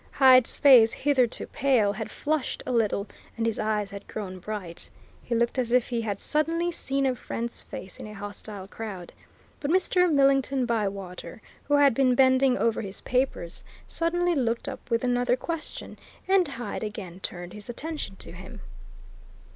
Hyde's face, hitherto pale, had flushed a little, and his eyes had grown bright; he looked as if he had suddenly seen a friend's face in a hostile crowd. But Mr. Millington Bywater, who had been bending over his papers, suddenly looked up with another question, and Hyde again turned his attention to him.